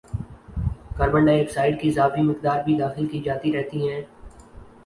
carbon dioxide کی اضافی مقدار بھی داخل کی جاتی رہتی ہے